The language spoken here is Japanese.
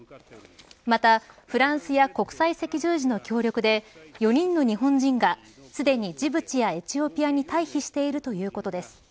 また、フランスや国際赤十字の協力で今日にら日本人がすでにジブチやエチオピアに退避しているということです。